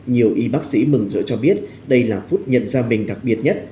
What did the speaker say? nhiều y bác sĩ mừng rỡ cho biết đây là phút nhận ra mình đặc biệt nhất